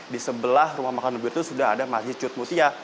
di sebelah rumah makan ubir itu sudah ada masjid cut mutia